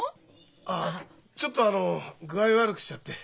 あっちょっとあの具合悪くしちゃって。